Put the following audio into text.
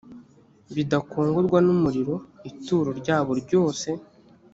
bidakongorwa n umuriro ituro ryabo ryose